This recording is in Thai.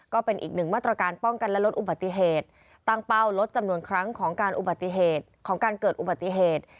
ก็เป็นอีกหนึ่งมาตรการป้องกันและลดอุบัติเหตุตั้งเป้าลดจำนวนครั้งของการอุบัติเหตุของการเกิดอุบัติเหตุ